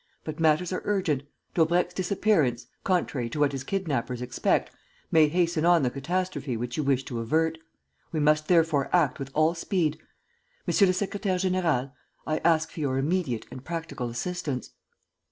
But matters are urgent. Daubrecq's disappearance, contrary to what his kidnappers expect, may hasten on the catastrophe which you wish to avert. We must therefore act with all speed. Monsieur le secrétaire; général, I ask for your immediate and practical assistance."